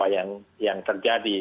apa yang yang terjadi